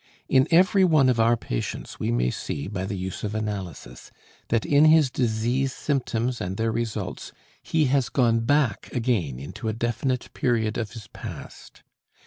In every one of our patients we may see, by the use of analysis, that in his disease symptoms and their results he has gone back again into a definite period of his past.